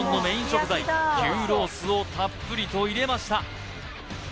食材牛ロースをたっぷりと入れました